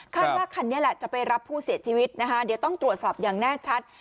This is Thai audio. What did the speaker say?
ว่าคันนี้แหละจะไปรับผู้เสียชีวิตนะคะเดี๋ยวต้องตรวจสอบอย่างแน่ชัด